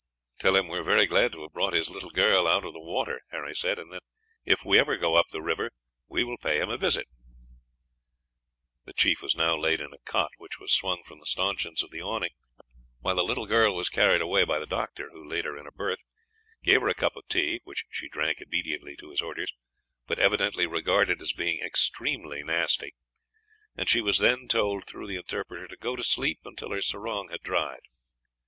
"Tell him we are very glad to have brought his little girl out of the water," Harry said, "and that if we ever go up the river, we will pay him a visit." The chief was now laid in a cot which was swung from the stanchions of the awning, while the little girl was carried away by the doctor, who laid her in a berth, gave her a cup of tea, which she drank obediently to his orders, but evidently regarded as being extremely nasty, and she was then told through the interpreter to go to sleep until her sarong was dried.